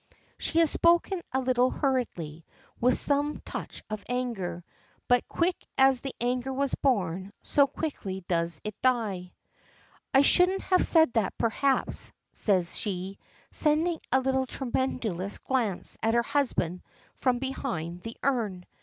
She had spoken a little hurriedly, with some touch of anger. But quick as the anger was born, so quickly does it die. "I shouldn't have said that, perhaps," says she, sending a little tremulous glance at her husband from behind the urn.